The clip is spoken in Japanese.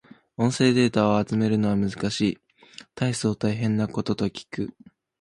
音声データを集めるのは難しい。大層大変なことと聞く。